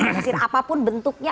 bang nasir apapun bentuknya